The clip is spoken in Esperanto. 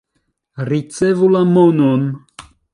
Ricevu la monon.